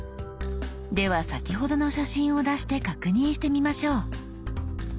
では先ほどの写真を出して確認してみましょう。